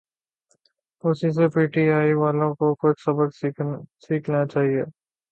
اسی سے پی ٹی آئی والوں کو کچھ سبق سیکھ لینا چاہیے۔